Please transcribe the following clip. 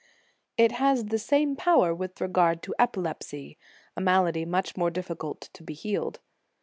j It has the same power with regard to epi lepsy, a malady much more difficult to be healed.